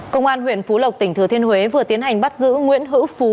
công an huyện phú lộc tỉnh thừa thiên huế vừa tiến hành bắt giữ nguyễn hữu phú